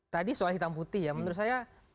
tadi soal hitam putih ya menurut saya